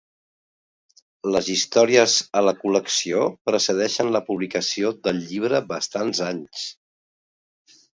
Les històries a la col·lecció precedeixen la publicació del llibre bastants anys.